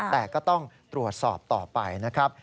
แต่ก็ต้องตรวจสอบต่อไปนะครับ